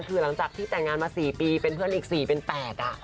คือหลังจากที่แต่งงานมา๔ปีเป็นเพื่อนอีก๔เป็น๘